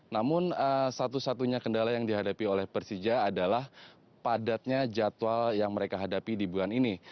namun satu satunya kendala yang dihadapi oleh persija adalah padatnya jadwal yang mereka hadapi di bulan ini